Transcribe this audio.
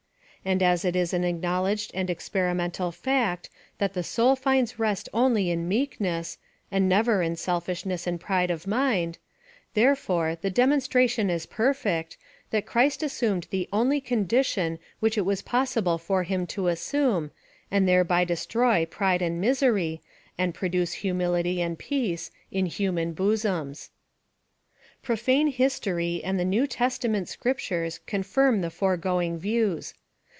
And as it is an acknowledged and experimental fact, that the soul finds rest only m meekness, and never in selfishness and pride of mind, therefore, the de monstration is perfect, that Christ assumed the only condition which it was possible for him to assume, and thereby destroy pride and misery, and produce humility and peace, in human bosoms. Profane history and the New Testament scrip tures confirm the foregoing views.